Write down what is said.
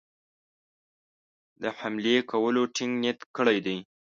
د حملې کولو ټینګ نیت کړی دی.